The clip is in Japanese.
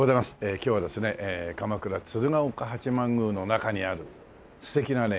今日はですね鎌倉鶴岡八幡宮の中にある素敵なね